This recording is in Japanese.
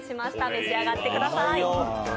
召し上がってください。